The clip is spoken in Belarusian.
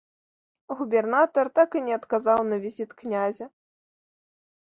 Губернатар так і не адказаў на візіт князя.